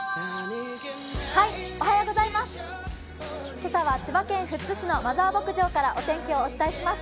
今朝は千葉県富津市のマザー牧場からお天気をお伝えします。